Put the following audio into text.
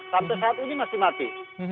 sampai saat ini masih mati